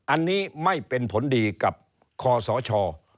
อันนี้ไม่เป็นผลดีกับคอสช